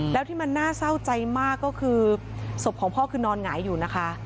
แล้วที่มันน่าเศร้าใจมากก็คือศพของพ่อคือนอนหงายอยู่นะคะ